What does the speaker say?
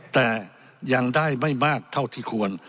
แต่ยังได้ไม่มากเท่าที่ควร